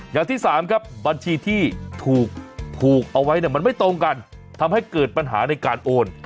อย่างที่สามครับบัญชีที่ถูกเอาไว้มันไม่ตรงกันทำให้เกิดปัญหาในการโอน